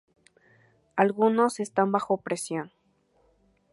Algunos están bajo presión.